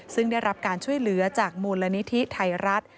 ซึ่งได้รับการช่วยเหลือจากมูลนิธิไทยรัฐ